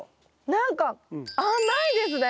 何か甘いですね。